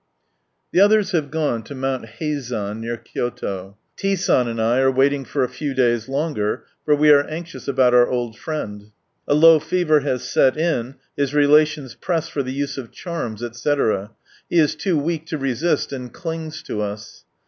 The others have gone to Mount Heizan, near Kyoto. T. San and I are waiting for a few days longer, for we are anxious about our old friend. A low fever has set in, his relations press for the use of charms, etc. ; he is too weak to resist, and clings to us.